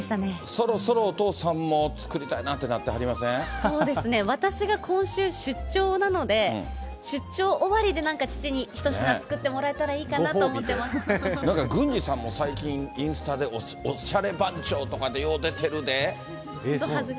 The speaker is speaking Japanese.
そろそろお父さんも作りたいなって、そうですね、私が今週出張なので、出張終わりでなんか父に一品作ってもらえたらいいかなと思なんか郡司さんも最近、インスタでおしゃれ番長とかでよう出てるで。